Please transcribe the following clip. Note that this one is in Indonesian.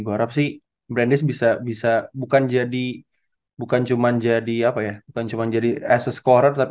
gua harap sih brandis bisa bisa bukan jadi bukan cuman jadi apa ya bukan cuma jadi as a scorer tapi